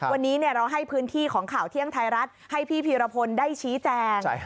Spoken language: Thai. วันนี้เราให้พื้นที่ของข่าวเที่ยงไทยรัฐให้พี่พีรพลได้ชี้แจง